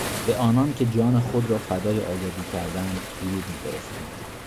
به آنانکه جان خود را فدای آزادی کردند درود میفرستیم.